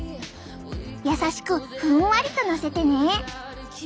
優しくふんわりとのせてね。